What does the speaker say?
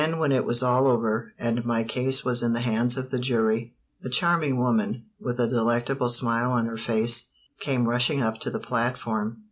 Then, when it was all over, and my case was in the hands of the jury, a charming woman, with a delectable smile on her face, came rushing up to the platform.